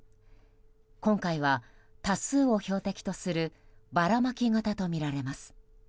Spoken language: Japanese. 今回は多数を標的とするばらまき型とみられます。